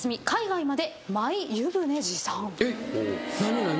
えっ何何？